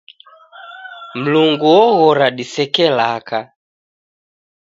Mlungu oghora diseke laka